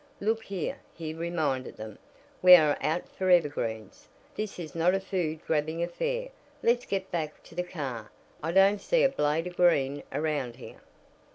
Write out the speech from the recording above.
"Look here," he reminded them, "we are out for evergreens. This is not a food grabbing affair. Let's get back to the car. I don't see a blade of green around here."